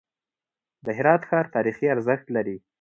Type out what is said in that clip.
د هرات ښار تاریخي ارزښت لري.